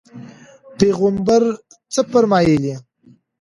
پیغمبر څه فرمایلي؟